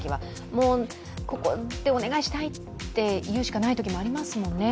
もう、ここでお願いしたいっていうしかないときもありますもんね。